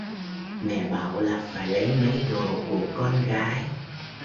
Mẹ bảo là phải lấy mấy đồ của con gái